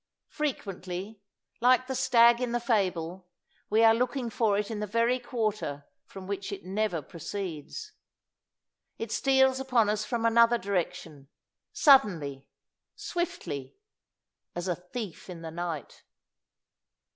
Frequently, like the stag in the fable, we are looking for it in the very quarter from which it never proceeds. It steals upon us from another direction suddenly, swiftly, "as a thief in the night."